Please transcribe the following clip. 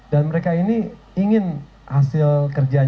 dan mereka ini ingin hasil kerjanya